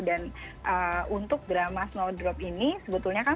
dan untuk drama snowdrop ini sebetulnya kan